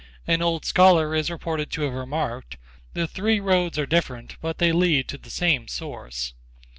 An old scholar is reported to have remarked, "The three roads are different, but they lead to the same source."